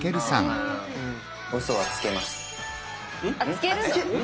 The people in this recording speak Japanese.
つけるの？